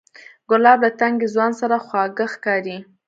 ګلاب له تنکي ځوان سره خواږه ښکاري.